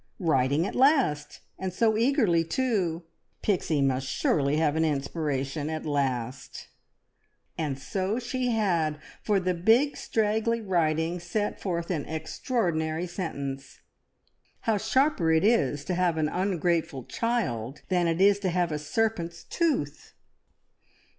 Writing at last, and so eagerly too! Pixie must surely have an inspiration at last; and so she had, for the big straggly writing set forth an extraordinary sentence: "How sharper it is to have an ungrateful child, than it is to have a serpent's tooth!"